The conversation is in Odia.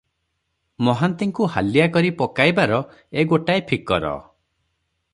ମହାନ୍ତିଙ୍କୁ ହାଲିଆ କରି ପକାଇବାର ଏ ଗୋଟାଏ ଫିକର ।